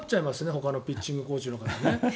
ほかのピッチングコーチの方ね。